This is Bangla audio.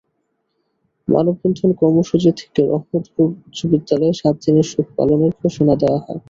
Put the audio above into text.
মানববন্ধন কর্মসূচি থেকে রহমতপুর উচ্চবিদ্যালয়ে সাত দিনের শোক পালনের ঘোষণা দেওয়া হয়।